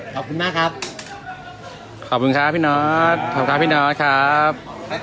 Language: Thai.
ขอบคุณมากครับขอบคุณครับพี่นอทขอบคุณครับพี่นอทครับ